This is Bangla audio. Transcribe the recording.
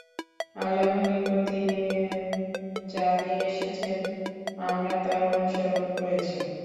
আল্লাহর নিকট থেকে তিনি যা নিয়ে এসেছেন আমরা তার অনুসরণ করেছি।